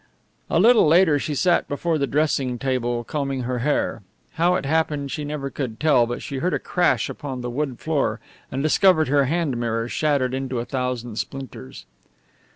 A little later she sat before the dressing mirror, combing her hair. How it happened she never could tell, but she heard a crash upon the wood floor, and discovered her hand mirror shattered into a thousand splinters.